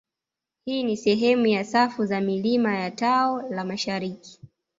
Hii ni sehemu ya safu za milima ya tao la mashariki